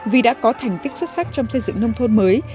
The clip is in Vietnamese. vì đã có thành tích xuất sắc trong xây dựng nông thôn mới